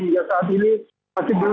lapas kelas satu tangerang